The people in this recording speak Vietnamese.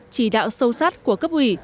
chỉ đạo sâu sát của cấp ủy